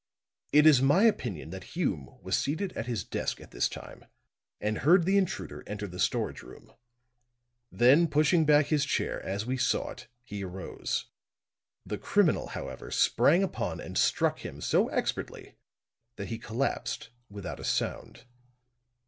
"It is my opinion that Hume was seated at his desk at this time and heard the intruder enter the storage room; then pushing back his chair as we saw it, he arose. The criminal, however, sprang upon and struck him so expertly that he collapsed without a sound.